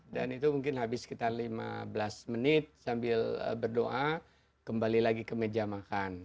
dan itu mungkin habis sekitar lima belas menit sambil berdoa kembali lagi ke meja makan